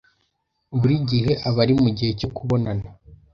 Buri gihe aba ari mugihe cyo kubonana.